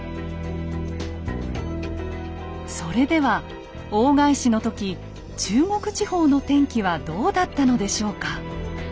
それでは大返しの時中国地方の天気はどうだったのでしょうか。